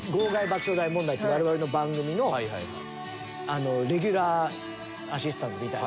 爆笑大問題』っていう我々の番組のレギュラーアシスタントみたいなのに。